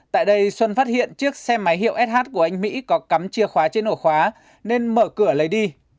tại đây xuân phát hiện chiếc xe máy hiệu sh của anh mỹ có cắm chìa khóa trên ổ khóa nên mở cửa lấy đi